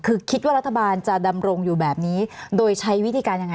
คือคิดว่ารัฐบาลจะดำรงอยู่แบบนี้โดยใช้วิธีการยังไง